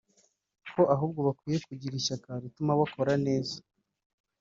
ko ahubwo bakwiye kugira ishyaka rituma bakora neza